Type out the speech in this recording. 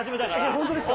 本当ですか？